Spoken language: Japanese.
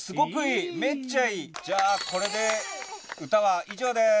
じゃあこれで歌は以上です！